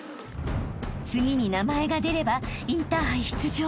［次に名前が出ればインターハイ出場］